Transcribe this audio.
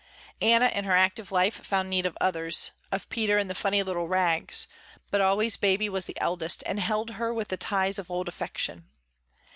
Anna in her active life found need of others, of Peter and the funny little Rags, but always Baby was the eldest and held her with the ties of old affection.